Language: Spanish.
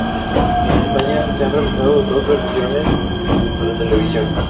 En España, se han realizado dos versiones para televisión.